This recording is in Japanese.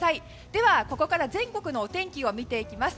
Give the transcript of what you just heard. では、ここから全国のお天気を見ていきます。